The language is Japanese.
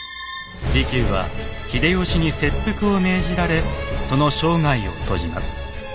利休は秀吉に切腹を命じられその生涯を閉じます。